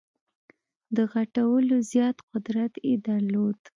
د غټولو زیات قدرت یې درلود.